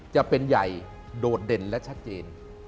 จะเป็นใหญ่โดดเด่นและชัดเจน